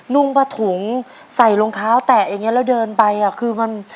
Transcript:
นุ่งปะถุงใส่โรงเท้าแตะครับ